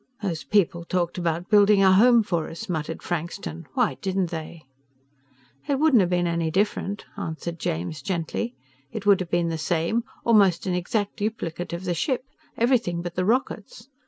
"Those people talked about building a home for us," muttered Frankston. "Why didn't they?" "It wouldn't have been any different," answered James gently. "It would have been the same, almost an exact duplicate of the ship, everything but the rockets.